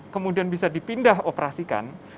kemudian bisa dipindah operasikan